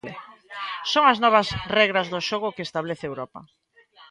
Son as novas regras do xogo que establece Europa.